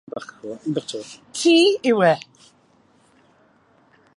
Ti “yw” e.